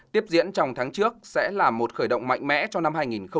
tiếp diễn trong tháng trước sẽ là một khởi động mạnh mẽ cho năm hai nghìn một mươi tám